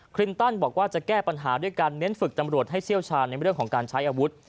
ลินตันบอกว่าจะแก้ปัญหาด้วยการเน้นฝึกตำรวจให้เชี่ยวชาญในเรื่องของการใช้อาวุธ